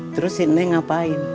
terus si neng ngapain